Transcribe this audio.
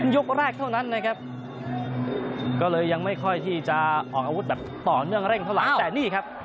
ยกแรกเท่านั้นนะครับก็เลยยังไม่ค่อยที่จะออกอาวุธแบบต่อเนื่องเร่งเท่าไหร่แต่นี่ครับ